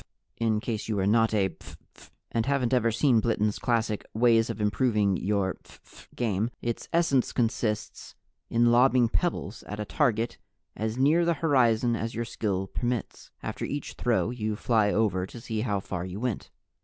In case you are not a phph fan, and haven't ever seen Bliten's classic Ways of Improving Your Phph Game, its essence consists in lobbing pebbles at a target as near the horizon as your skill permits. After each throw, you fly over to see how far you went.